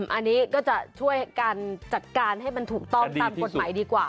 อันนี้ก็จะช่วยการจัดการให้มันถูกต้องตามกฎหมายดีกว่า